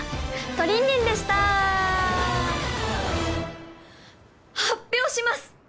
トリンリンでした発表します